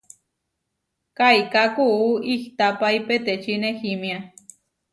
Kaiká kuú ihtapái peteči nehímia.